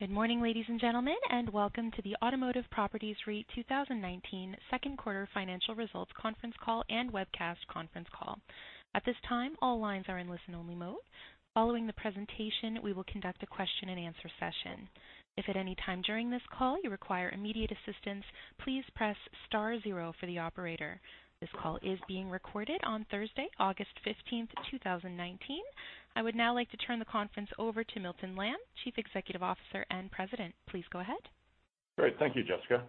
Good morning, ladies and gentlemen, and welcome to the Automotive Properties REIT 2019 second quarter financial results conference call and webcast conference call. At this time, all lines are in listen-only mode. Following the presentation, we will conduct a question and answer session. If at any time during this call you require immediate assistance, please press star zero for the operator. This call is being recorded on Thursday, August 15th, 2019. I would now like to turn the conference over to Milton Lamb, Chief Executive Officer and President. Please go ahead. Great. Thank you, Jessica.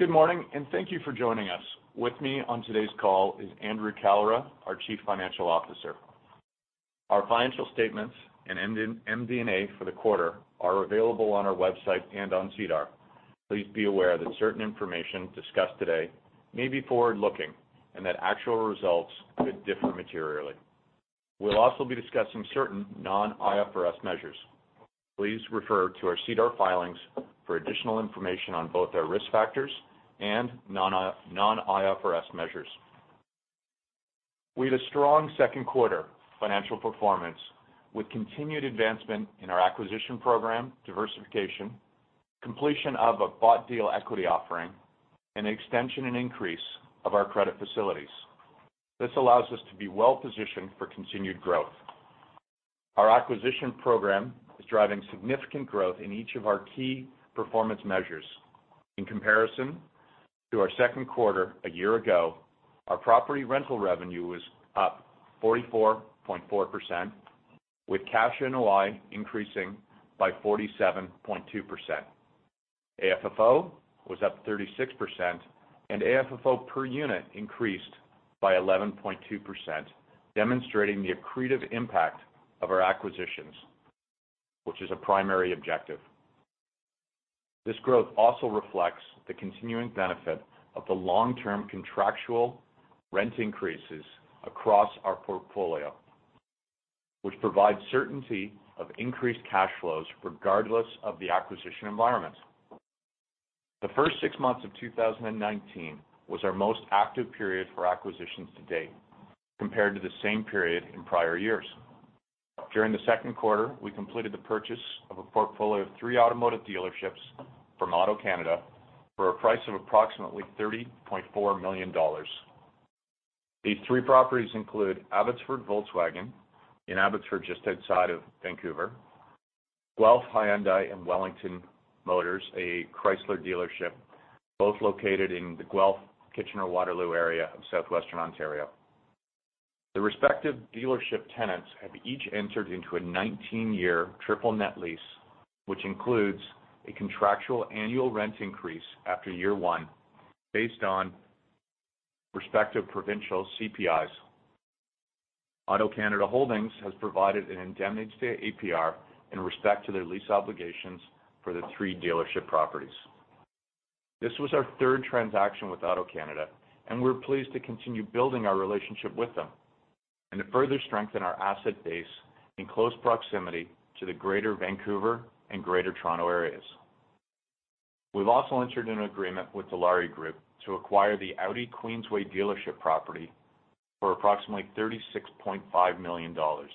Good morning, and thank you for joining us. With me on today's call is Andrew Kalra, our Chief Financial Officer. Our financial statements and MD&A for the quarter are available on our website and on SEDAR. Please be aware that certain information discussed today may be forward-looking, and that actual results could differ materially. We'll also be discussing certain non-IFRS measures. Please refer to our SEDAR filings for additional information on both our risk factors and non-IFRS measures. We had a strong second quarter financial performance with continued advancement in our acquisition program, diversification, completion of a bought deal equity offering, and extension and increase of our credit facilities. This allows us to be well-positioned for continued growth. Our acquisition program is driving significant growth in each of our key performance measures. In comparison to our second quarter a year ago, our property rental revenue was up 44.4%, with cash NOI increasing by 47.2%. AFFO was up 36%, and AFFO per unit increased by 11.2%, demonstrating the accretive impact of our acquisitions, which is a primary objective. This growth also reflects the continuing benefit of the long-term contractual rent increases across our portfolio, which provides certainty of increased cash flows regardless of the acquisition environment. The first six months of 2019 was our most active period for acquisitions to date compared to the same period in prior years. During the second quarter, we completed the purchase of a portfolio of three automotive dealerships from AutoCanada for a price of approximately 30.4 million dollars. These three properties include Abbotsford Volkswagen in Abbotsford, just outside of Vancouver; Guelph Hyundai and Wellington Motors, a Chrysler dealership, both located in the Guelph, Kitchener-Waterloo area of Southwestern Ontario. The respective dealership tenants have each entered into a 19-year triple net lease, which includes a contractual annual rent increase after year one based on respective provincial CPIs. AutoCanada Holdings has provided an indemnity to APR in respect to their lease obligations for the three dealership properties. This was our third transaction with AutoCanada, and we're pleased to continue building our relationship with them and to further strengthen our asset base in close proximity to the Greater Vancouver and Greater Toronto areas. We've also entered an agreement with the Dilawri Group to acquire the Audi Queensway dealership property for approximately 36.5 million dollars.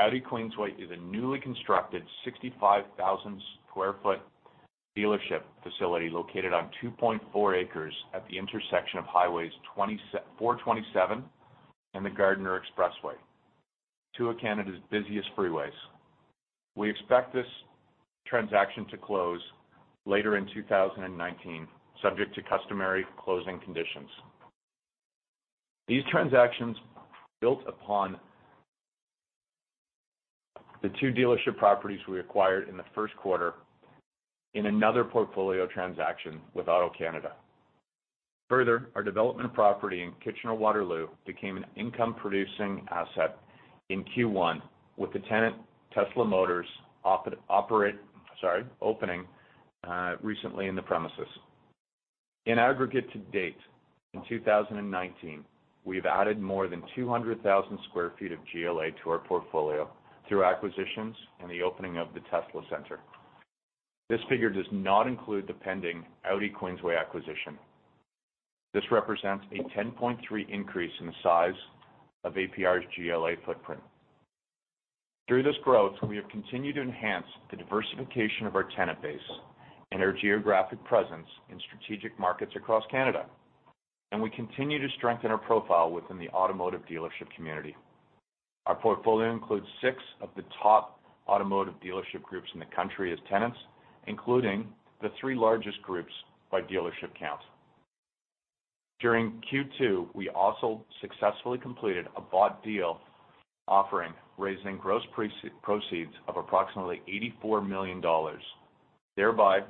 Audi Queensway is a newly constructed 65,000 square foot dealership facility located on 2.4 acres at the intersection of Highways 427 and the Gardiner Expressway, two of Canada's busiest freeways. We expect this transaction to close later in 2019, subject to customary closing conditions. These transactions built upon the two dealership properties we acquired in the first quarter in another portfolio transaction with AutoCanada. Further, our development property in Kitchener-Waterloo became an income-producing asset in Q1 with the tenant, Tesla, Inc., opening recently in the premises. In aggregate to date in 2019, we have added more than 200,000 square feet of GLA to our portfolio through acquisitions and the opening of the Tesla Center. This figure does not include the pending Audi Queensway acquisition. This represents a 10.3% increase in the size of APR's GLA footprint. Through this growth, we have continued to enhance the diversification of our tenant base and our geographic presence in strategic markets across Canada. We continue to strengthen our profile within the automotive dealership community. Our portfolio includes six of the top automotive dealership groups in the country as tenants, including the three largest groups by dealership count. During Q2, we also successfully completed a bought deal offering, raising gross proceeds of approximately 84 million dollars, thereby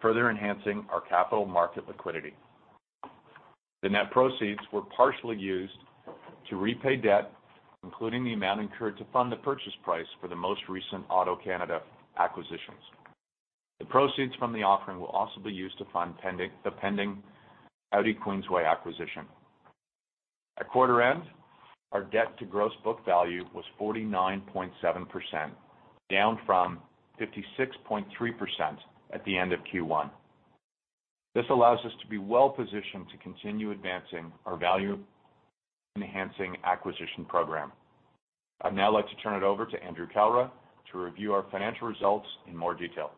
further enhancing our capital market liquidity. The net proceeds were partially used to repay debt, including the amount incurred to fund the purchase price for the most recent AutoCanada acquisitions. The proceeds from the offering will also be used to fund the pending Audi Queensway acquisition. At quarter end, our debt to gross book value was 49.7%, down from 56.3% at the end of Q1. This allows us to be well-positioned to continue advancing our value-enhancing acquisition program. I'd now like to turn it over to Andrew Kalra to review our financial results in more detail.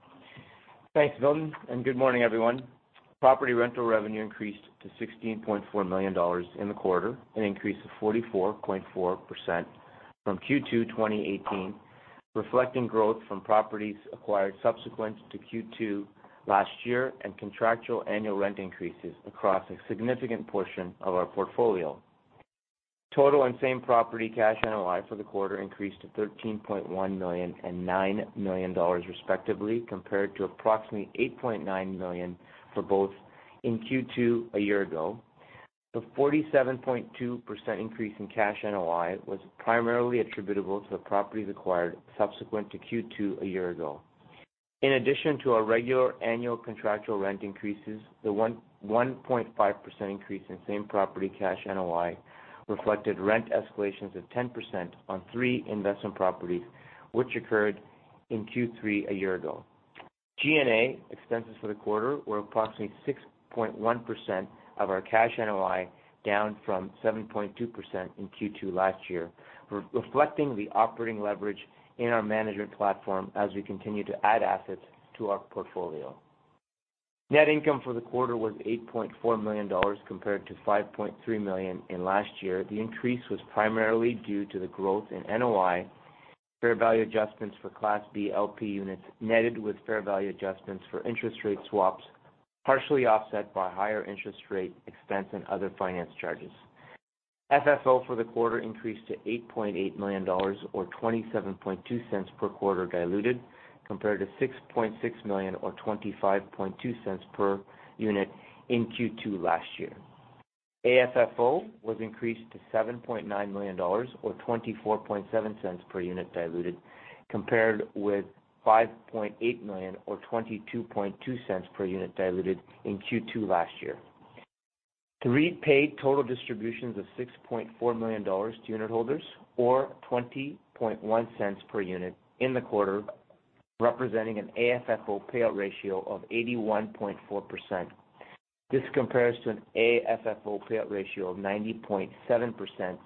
Thanks, Milton, and good morning, everyone. Property rental revenue increased to 16.4 million dollars in the quarter, an increase of 44.4% from Q2 2018, reflecting growth from properties acquired subsequent to Q2 last year and contractual annual rent increases across a significant portion of our portfolio. Total and same-property cash NOI for the quarter increased to 13.1 million and 9 million dollars respectively, compared to approximately 8.9 million for both in Q2 a year ago. The 47.2% increase in cash NOI was primarily attributable to the properties acquired subsequent to Q2 a year ago. In addition to our regular annual contractual rent increases, the 1.5% increase in same-property cash NOI reflected rent escalations of 10% on three investment properties, which occurred in Q3 a year ago. G&A expenses for the quarter were approximately 6.1% of our cash NOI, down from 7.2% in Q2 last year, reflecting the operating leverage in our management platform as we continue to add assets to our portfolio. Net income for the quarter was 8.4 million dollars, compared to 5.3 million in last year. The increase was primarily due to the growth in NOI, fair value adjustments for Class B LP units, netted with fair value adjustments for interest rate swaps, partially offset by higher interest rate expense and other finance charges. FFO for the quarter increased to 8.8 million dollars, or 0.272 per quarter diluted, compared to 6.6 million or 0.252 per unit in Q2 last year. AFFO was increased to 7.9 million dollars, or 0.247 per unit diluted, compared with 5.8 million or 0.222 per unit diluted in Q2 last year. The REIT paid total distributions of 6.4 million dollars to unitholders or 0.201 per unit in the quarter, representing an AFFO payout ratio of 81.4%. This compares to an AFFO payout ratio of 90.7%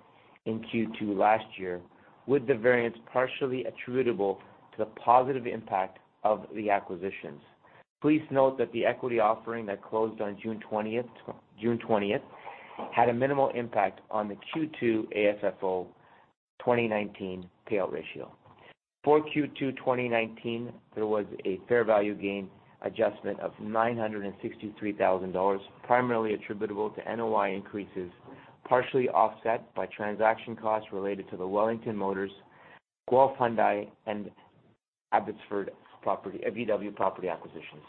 in Q2 last year, with the variance partially attributable to the positive impact of the acquisitions. Please note that the equity offering that closed on June 20th had a minimal impact on the Q2 AFFO 2019 payout ratio. For Q2 2019, there was a fair value gain adjustment of 963,000 dollars, primarily attributable to NOI increases, partially offset by transaction costs related to the Wellington Motors, Guelph Hyundai, and Abbotsford VW property acquisitions.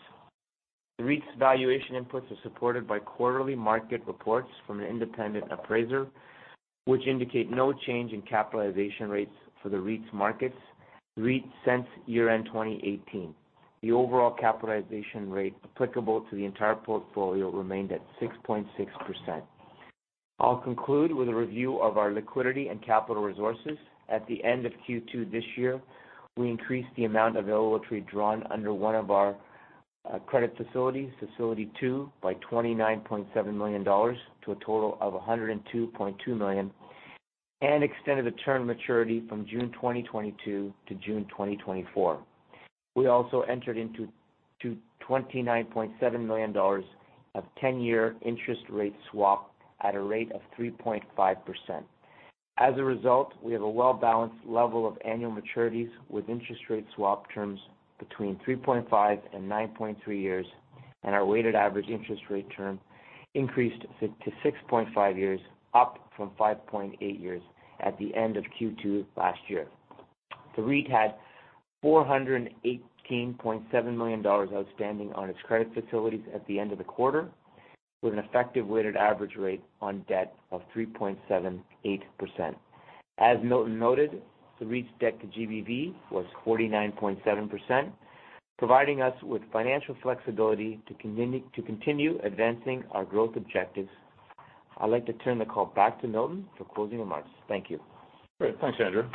The REIT's valuation inputs are supported by quarterly market reports from an independent appraiser, which indicate no change in capitalization rates for the REIT's markets since year-end 2018. The overall capitalization rate applicable to the entire portfolio remained at 6.6%. I'll conclude with a review of our liquidity and capital resources. At the end of Q2 this year, we increased the amount available to be drawn under one of our credit facilities, Facility 2, by 29.7 million dollars to a total of 102.2 million and extended the term maturity from June 2022 to June 2024. We also entered into 29.7 million dollars of 10-year interest rate swap at a rate of 3.5%. As a result, we have a well-balanced level of annual maturities with interest rate swap terms between 3.5-9.3 years, and our weighted average interest rate term increased to 6.5 years, up from 5.8 years at the end of Q2 last year. The REIT had 418.7 million dollars outstanding on its credit facilities at the end of the quarter, with an effective weighted average rate on debt of 3.78%. As Milton noted, the REIT's debt-to-GBV was 49.7%, providing us with financial flexibility to continue advancing our growth objectives. I'd like to turn the call back to Milton for closing remarks. Thank you. Great. Thanks, Andrew.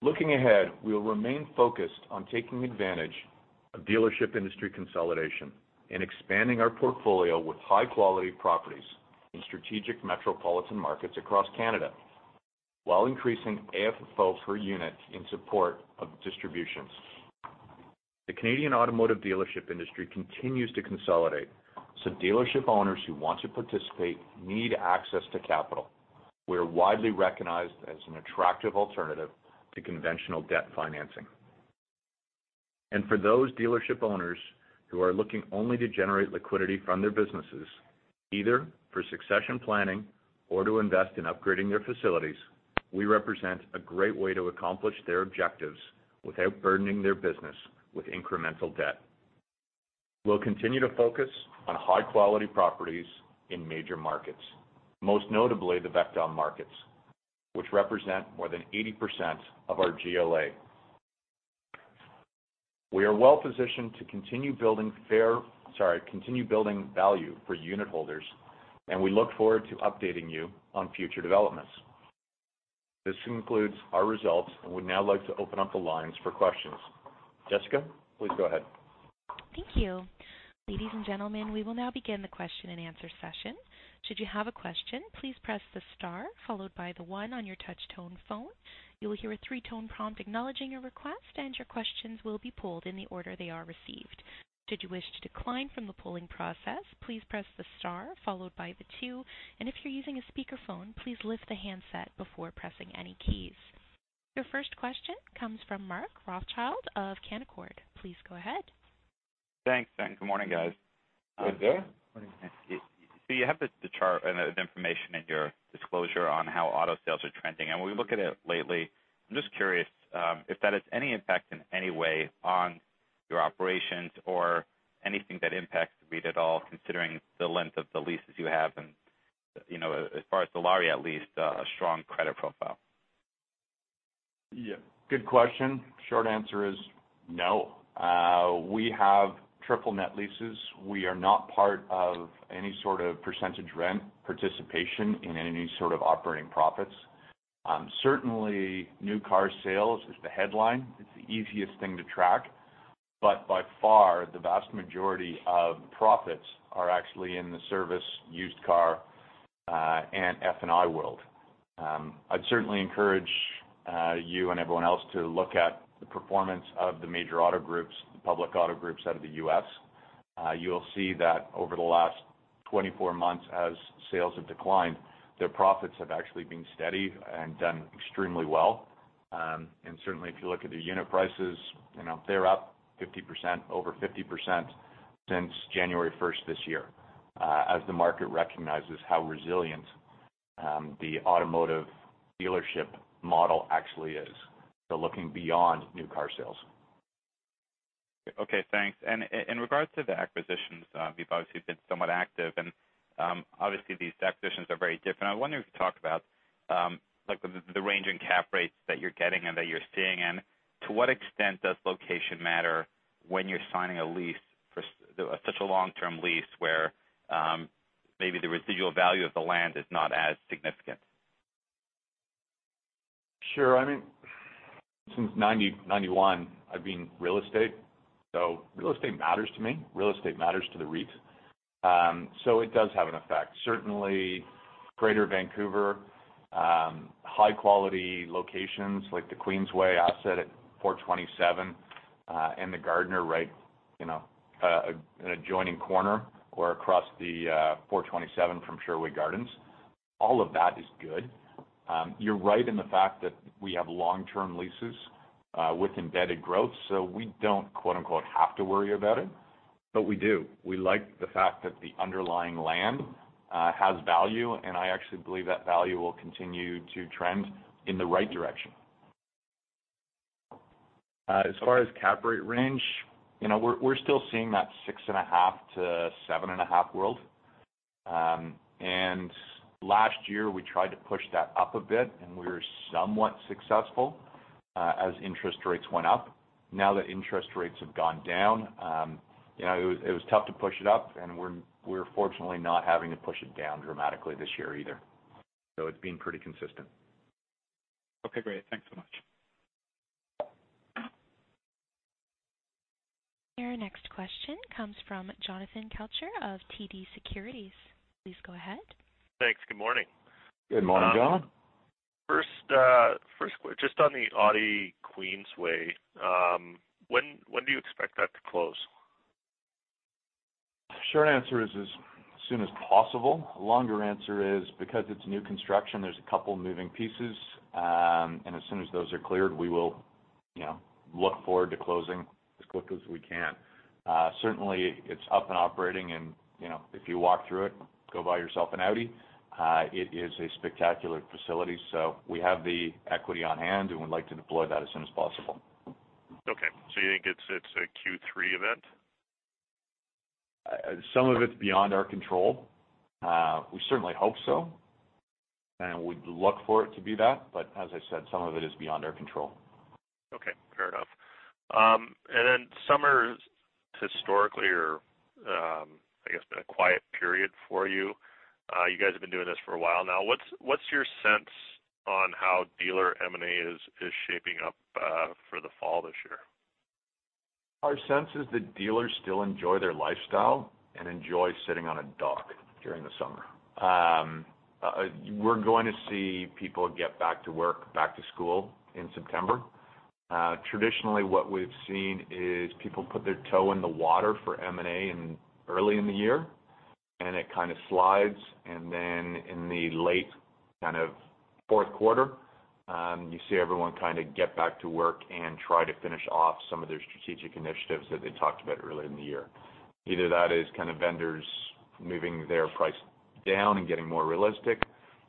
Looking ahead, we will remain focused on taking advantage of dealership industry consolidation and expanding our portfolio with high-quality properties in strategic metropolitan markets across Canada while increasing AFFO per unit in support of distributions. The Canadian automotive dealership industry continues to consolidate. Dealership owners who want to participate need access to capital. We are widely recognized as an attractive alternative to conventional debt financing. For those dealership owners who are looking only to generate liquidity from their businesses, either for succession planning or to invest in upgrading their facilities, we represent a great way to accomplish their objectives without burdening their business with incremental debt. We'll continue to focus on high-quality properties in major markets, most notably the VECTOM markets, which represent more than 80% of our GLA. We are well-positioned to continue building value for unitholders. We look forward to updating you on future developments. This concludes our results. I would now like to open up the lines for questions. Jessica, please go ahead. Thank you. Ladies and gentlemen, we will now begin the question and answer session. Should you have a question, please press the star followed by the one on your touch-tone phone. You will hear a three-tone prompt acknowledging your request, and your questions will be polled in the order they are received. Should you wish to decline from the polling process, please press the star followed by the two, and if you're using a speakerphone, please lift the handset before pressing any keys. Your first question comes from Mark Rothschild of Canaccord. Please go ahead. Thanks. Good morning, guys. Good day. Morning. You have the chart and the information in your disclosure on how auto sales are trending. When we look at it lately, I am just curious if that has any impact in any way on your operations or anything that impacts the REIT at all, considering the length of the leases you have and, as far as Dilawri, at least, a strong credit profile. Good question. Short answer is no. We have triple net leases. We are not part of any sort of percentage rent participation in any sort of operating profits. New car sales is the headline. It's the easiest thing to track. By far, the vast majority of profits are actually in the service, used car, and F&I world. I'd certainly encourage you and everyone else to look at the performance of the major auto groups, the public auto groups out of the U.S. You'll see that over the last 24 months as sales have declined, their profits have actually been steady and done extremely well. If you look at the unit prices, they're up 50%, over 50% since January 1st this year, as the market recognizes how resilient the automotive dealership model actually is, so looking beyond new car sales. Okay, thanks. In regards to the acquisitions, you've obviously been somewhat active, and obviously these acquisitions are very different. I wonder if you talked about the range in cap rates that you're getting and that you're seeing, and to what extent does location matter when you're signing a lease for such a long-term lease where maybe the residual value of the land is not as significant? Sure. Since 1990, 1991, I've been real estate, real estate matters to me. Real estate matters to the REIT. It does have an effect. Certainly, Greater Vancouver, high-quality locations like the Queensway Audi asset at 427, and the Gardiner right, an adjoining corner or across the 427 from Sherway Gardens, all of that is good. You're right in the fact that we have long-term leases with embedded growth, we don't, quote unquote, "have to worry about it," but we do. We like the fact that the underlying land has value, I actually believe that value will continue to trend in the right direction. As far as cap rate range, we're still seeing that 6.5%-7.5% world. Last year, we tried to push that up a bit, we were somewhat successful as interest rates went up. Now that interest rates have gone down, it was tough to push it up, and we're fortunately not having to push it down dramatically this year either. It's been pretty consistent. Okay, great. Thanks so much. Your next question comes from Jonathan Kelcher of TD Securities. Please go ahead. Thanks. Good morning. Good morning, John. Just on the Audi Queensway, when do you expect that to close? Short answer is as soon as possible. Longer answer is because it's new construction, there's a couple moving pieces. As soon as those are cleared, we will look forward to closing as quickly as we can. Certainly, it's up and operating, and if you walk through it, go buy yourself an Audi. It is a spectacular facility. We have the equity on hand and would like to deploy that as soon as possible. Okay. you think it's a Q3 event? Some of it's beyond our control. We certainly hope so, we'd look for it to be that. As I said, some of it is beyond our control. Okay, fair enough. Summers historically are, I guess, been a quiet period for you. You guys have been doing this for a while now. What's your sense on how dealer M&A is shaping up for the fall this year? Our sense is that dealers still enjoy their lifestyle and enjoy sitting on a dock during the summer. We're going to see people get back to work, back to school in September. Traditionally, what we've seen is people put their toe in the water for M&A early in the year. It kind of slides. Then in the late fourth quarter, you see everyone kind of get back to work and try to finish off some of their strategic initiatives that they talked about earlier in the year. Either that is vendors moving their price down and getting more realistic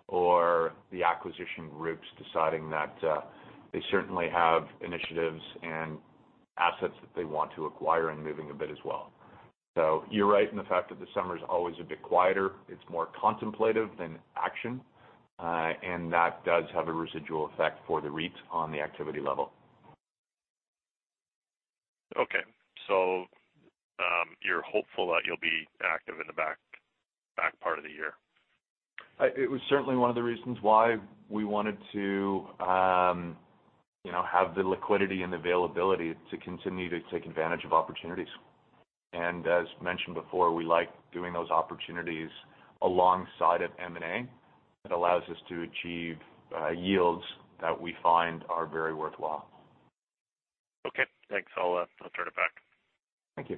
or the acquisition groups deciding that they certainly have initiatives and assets that they want to acquire and moving a bit as well. You're right in the fact that the summer is always a bit quieter. It's more contemplative than action. That does have a residual effect for the REIT on the activity level. You're hopeful that you'll be active in the back part of the year. It was certainly one of the reasons why we wanted to have the liquidity and availability to continue to take advantage of opportunities. As mentioned before, we like doing those opportunities alongside of M&A. It allows us to achieve yields that we find are very worthwhile. Okay, thanks. I'll turn it back. Thank you.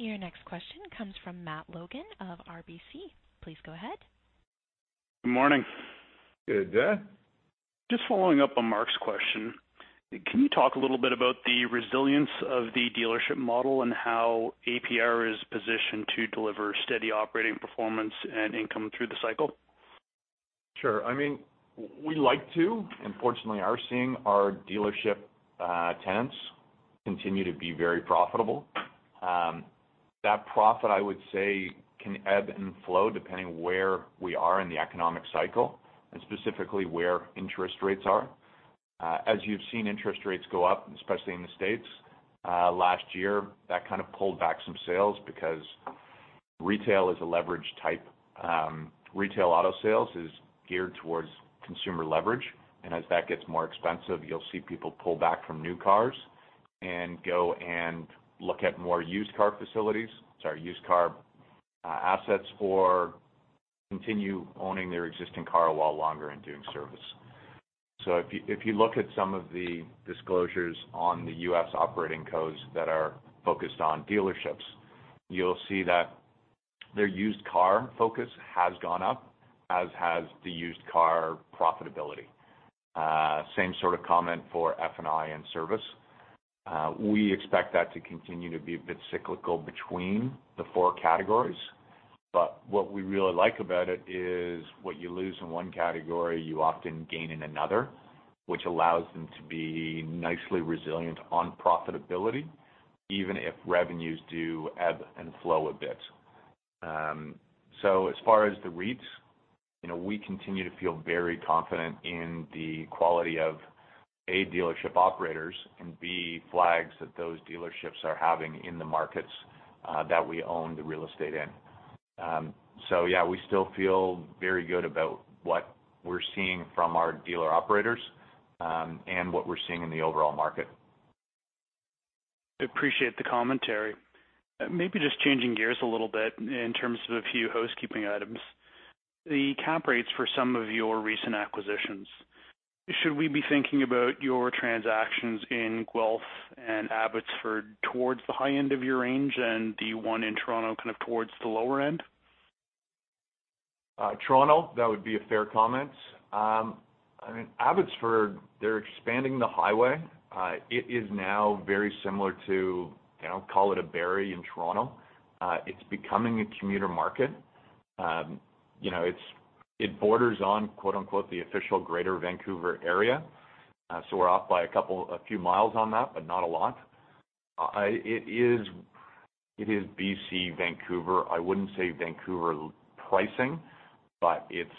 Your next question comes from Matt Logan of RBC. Please go ahead. Good morning. Good day. Just following up on Mark's question, can you talk a little bit about the resilience of the dealership model and how APR is positioned to deliver steady operating performance and income through the cycle? Sure. We like to, and fortunately are seeing our dealership tenants continue to be very profitable. That profit, I would say, can ebb and flow depending where we are in the economic cycle and specifically where interest rates are. As you've seen interest rates go up, especially in the U.S. last year, that kind of pulled back some sales because retail auto sales is geared towards consumer leverage, and as that gets more expensive, you'll see people pull back from new cars and go and look at more used car facilities, sorry, used car assets, or continue owning their existing car a while longer and doing service. If you look at some of the disclosures on the U.S. operating cos that are focused on dealerships, you'll see that their used car focus has gone up, as has the used car profitability. Same sort of comment for F&I and service. We expect that to continue to be a bit cyclical between the four categories, but what we really like about it is what you lose in one category, you often gain in another, which allows them to be nicely resilient on profitability, even if revenues do ebb and flow a bit. As far as the REITs, we continue to feel very confident in the quality of, A, dealership operators and, B, flags that those dealerships are having in the markets that we own the real estate in. Yeah, we still feel very good about what we're seeing from our dealer operators, and what we're seeing in the overall market. Appreciate the commentary. Maybe just changing gears a little bit in terms of a few housekeeping items. The cap rates for some of your recent acquisitions, should we be thinking about your transactions in Guelph and Abbotsford towards the high end of your range and the one in Toronto kind of towards the lower end? Toronto, that would be a fair comment. Abbotsford, they're expanding the highway. It is now very similar to, call it a Barrie in Toronto. It's becoming a commuter market. It borders on quote unquote, "The official greater Vancouver area." We're off by a few miles on that, but not a lot. It is BC Vancouver. I wouldn't say Vancouver pricing, but it's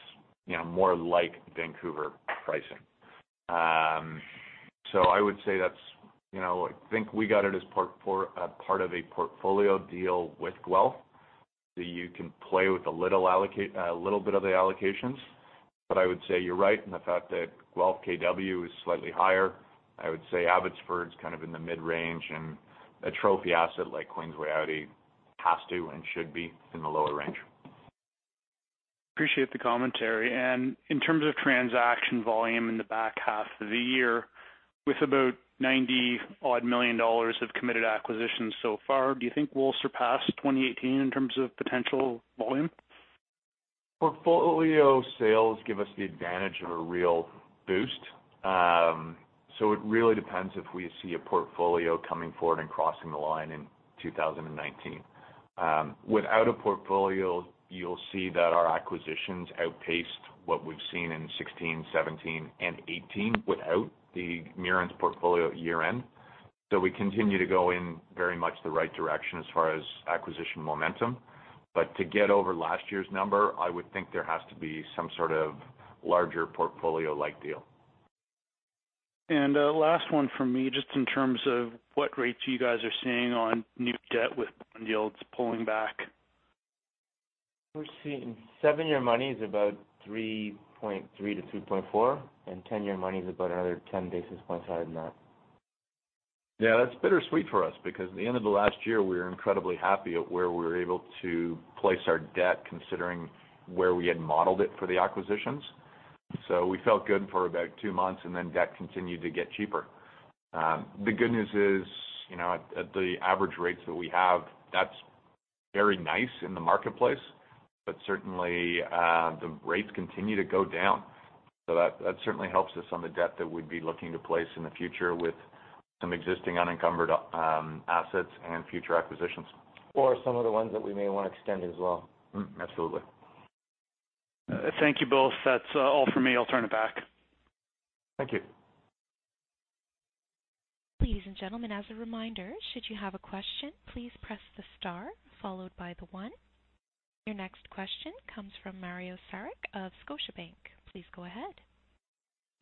more like Vancouver pricing. I would say I think we got it as part of a portfolio deal with Guelph. You can play with a little bit of the allocations. I would say you're right, and the fact that Guelph KW is slightly higher, I would say Abbotsford's kind of in the mid-range, and a trophy asset like Queensway Audi has to and should be in the lower range. Appreciate the commentary. In terms of transaction volume in the back half of the year, with about 90 odd million of committed acquisitions so far, do you think we'll surpass 2018 in terms of potential volume? Portfolio sales give us the advantage of a real boost. It really depends if we see a portfolio coming forward and crossing the line in 2019. Without a portfolio, you'll see that our acquisitions outpaced what we've seen in 2016, 2017, and 2018 without the Mierins portfolio at year-end. We continue to go in very much the right direction as far as acquisition momentum. To get over last year's number, I would think there has to be some sort of larger portfolio-like deal. Last one from me, just in terms of what rates you guys are seeing on new debt with bond yields pulling back. We are seeing seven-year money is about 3.3%-3.4%, and 10-year money is about another 10 basis points higher than that. Yeah, that's bittersweet for us because at the end of the last year, we were incredibly happy at where we were able to place our debt, considering where we had modeled it for the acquisitions. We felt good for about two months, and then debt continued to get cheaper. The good news is, at the average rates that we have, that's very nice in the marketplace. Certainly, the rates continue to go down. That certainly helps us on the debt that we'd be looking to place in the future with some existing unencumbered assets and future acquisitions. Some of the ones that we may want to extend as well. Absolutely. Thank you both. That is all for me. I will turn it back. Thank you. Ladies and gentlemen, as a reminder, should you have a question, please press the star followed by the one. Your next question comes from Mario Saric of Scotiabank. Please go ahead.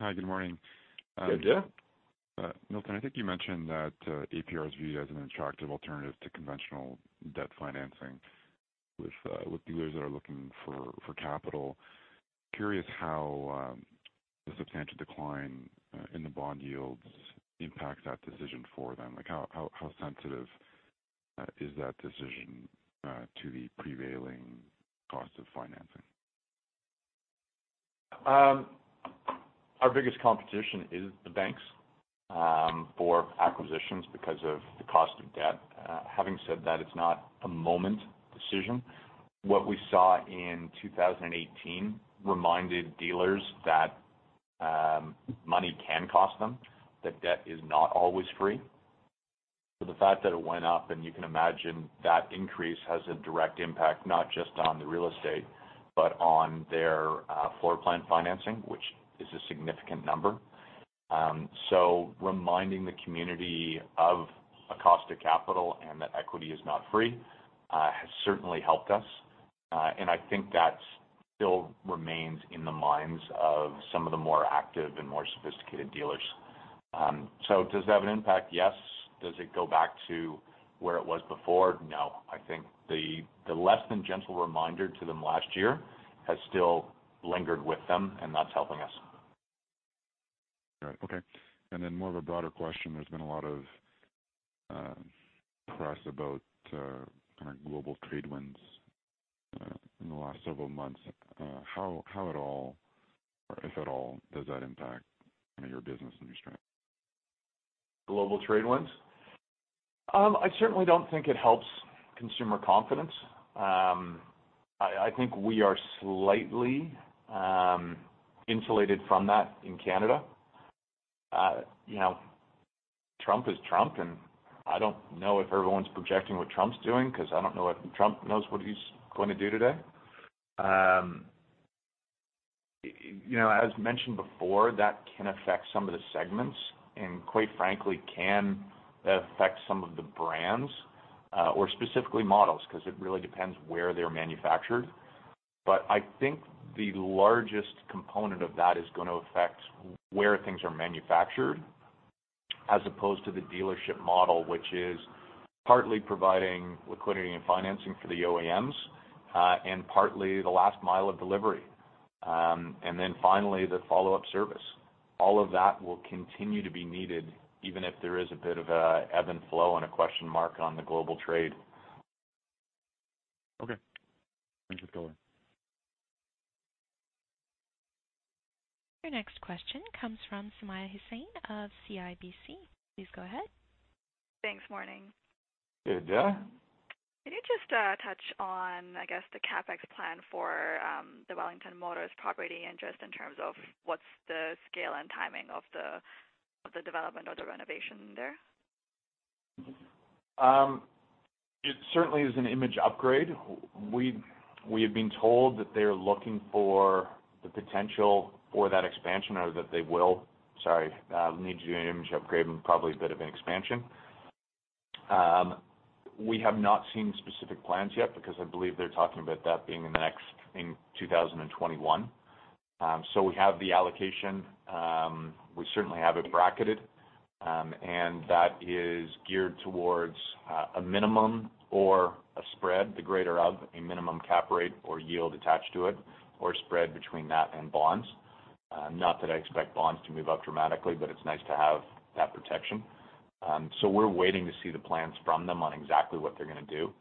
Hi, good morning. Good, yeah. Milton, I think you mentioned that APR is viewed as an attractive alternative to conventional debt financing with dealers that are looking for capital. Curious how the substantial decline in the bond yields impacts that decision for them. How sensitive is that decision to the prevailing cost of financing? Our biggest competition is the banks for acquisitions because of the cost of debt. Having said that, it's not a moment decision. What we saw in 2018 reminded dealers that money can cost them, that debt is not always free. The fact that it went up, and you can imagine that increase has a direct impact not just on the real estate, but on their floor plan financing, which is a significant number. Reminding the community of a cost of capital and that equity is not free, has certainly helped us. I think that still remains in the minds of some of the more active and more sophisticated dealers. Does it have an impact? Yes. Does it go back to where it was before? No. I think the less than gentle reminder to them last year has still lingered with them, and that's helping us. All right. Okay. More of a broader question. There's been a lot of press about global trade winds in the last several months. How at all, or if at all, does that impact your business and your strength? Global trade winds. I certainly don't think it helps consumer confidence. I think we are slightly insulated from that in Canada. Trump is Trump, and I don't know if everyone's projecting what Trump's doing because I don't know if Trump knows what he's going to do today. As mentioned before, that can affect some of the segments and quite frankly, can affect some of the brands, or specifically models, because it really depends where they're manufactured. I think the largest component of that is going to affect where things are manufactured as opposed to the dealership model, which is partly providing liquidity and financing for the OEMs, and partly the last mile of delivery. Finally, the follow-up service. All of that will continue to be needed even if there is a bit of a ebb and flow and a question mark on the global trade. Okay. Thanks for the color. Your next question comes from Sumayya Hussain of CIBC. Please go ahead. Thanks, morning. Good day. Can you just touch on, I guess, the CapEx plan for the Wellington Motors property and just in terms of what's the scale and timing of the development or the renovation there? It certainly is an image upgrade. We have been told that they're looking for the potential for that expansion or that they will, sorry, need to do an image upgrade and probably a bit of an expansion. We have not seen specific plans yet because I believe they're talking about that being in 2021. We have the allocation. We certainly have it bracketed, and that is geared towards a minimum or a spread, the greater of a minimum cap rate or yield attached to it, or spread between that and bonds. Not that I expect bonds to move up dramatically, but it's nice to have that protection. We're waiting to see the plans from them on exactly what they're going to do.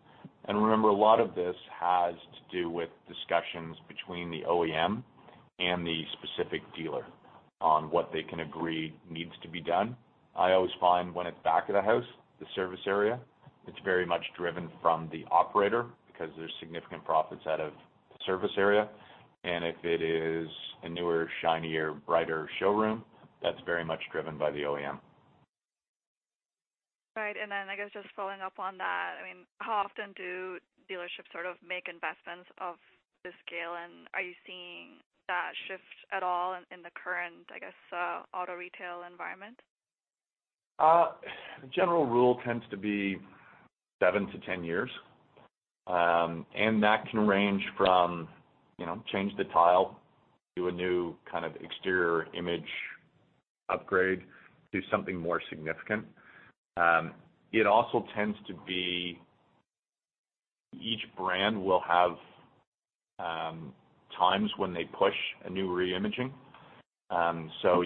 Remember, a lot of this has to do with discussions between the OEM and the specific dealer on what they can agree needs to be done. I always find when it's back of the house, the service area, it's very much driven from the operator because there's significant profits out of the service area. If it is a newer, shinier, brighter showroom, that's very much driven by the OEM. Right. Then I guess just following up on that, how often do dealerships make investments of this scale? Are you seeing that shift at all in the current, I guess, auto retail environment? A general rule tends to be 7-10 years. That can range from change the tile to a new exterior image upgrade to something more significant. It also tends to be each brand will have times when they push a new reimaging.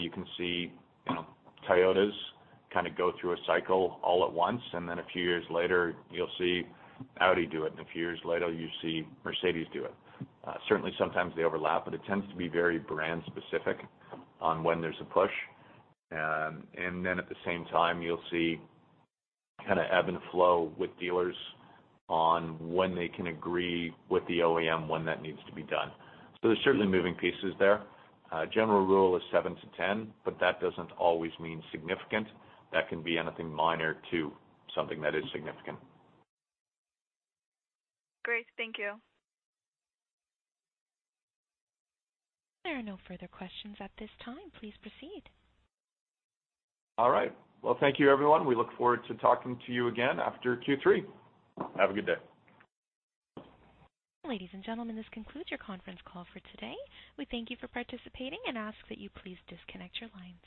You can see Toyota go through a cycle all at once, and then a few years later, you'll see Audi do it, and a few years later, you see Mercedes-Benz do it. Certainly, sometimes they overlap, but it tends to be very brand specific on when there's a push. At the same time, you'll see ebb and flow with dealers on when they can agree with the OEM when that needs to be done. There's certainly moving pieces there. General rule is 7-10, but that doesn't always mean significant. That can be anything minor to something that is significant. Great. Thank you. There are no further questions at this time. Please proceed. All right. Well, thank you everyone. We look forward to talking to you again after Q3. Have a good day. Ladies and gentlemen, this concludes your conference call for today. We thank you for participating and ask that you please disconnect your lines.